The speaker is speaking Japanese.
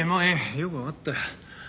よくわかったよ。